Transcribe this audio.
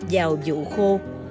giào dụ khô